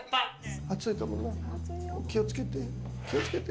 気をつけて、気をつけて。